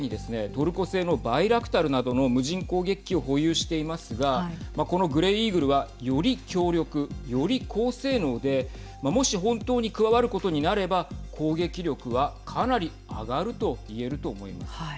トルコ製のバイラクタルなどの無人攻撃機を保有していますがこのグレイイーグルは、より強力より高性能でもし本当に加わることになれば攻撃力はかなり上がるといえると思います。